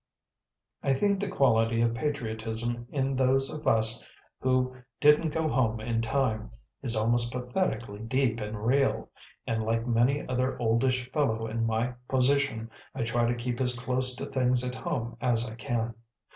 I think the quality of patriotism in those of us who "didn't go home in time" is almost pathetically deep and real, and, like many another oldish fellow in my position, I try to keep as close to things at home as I can.